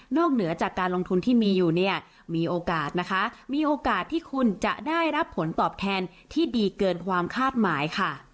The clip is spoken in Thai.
เหนือจากการลงทุนที่มีอยู่เนี่ยมีโอกาสนะคะมีโอกาสที่คุณจะได้รับผลตอบแทนที่ดีเกินความคาดหมายค่ะ